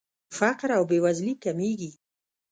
فقر او بېوزلي کمیږي.